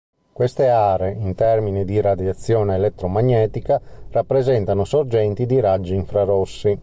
Queste aree, in termini di radiazione elettromagnetica, rappresentano sorgenti di raggi infrarossi.